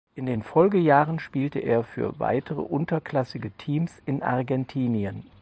In den Folgejahren spielte er für weitere unterklassige Teams in Argentinien.